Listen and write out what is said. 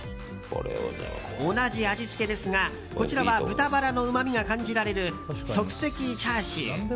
同じ味付けですが、こちらは豚バラのうまみが感じられる即席チャーシュー。